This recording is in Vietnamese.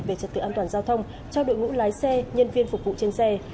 về trật tự an toàn giao thông cho đội ngũ lái xe nhân viên phục vụ trên xe